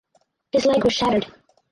His leg was shattered.